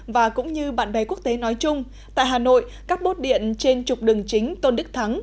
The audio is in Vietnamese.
và cũng như bạn bè quốc tế nói chung tại hà nội các bốt điện trên trục đường chính tôn đức thắng